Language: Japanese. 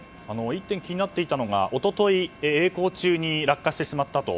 気になっていたのが一昨日、曳航中に落下してしまったと。